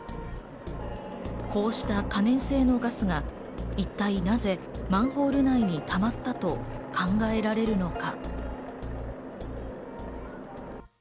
こうした可燃性のガスが一体なぜマンホール内にたまったと考えられるのか。